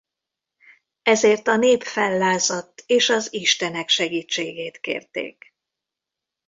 Ezért a nép fellázadt és az istenek segítségét kérték.